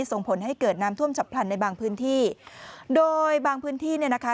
ส่งผลให้เกิดน้ำท่วมฉับพลันในบางพื้นที่โดยบางพื้นที่เนี่ยนะคะ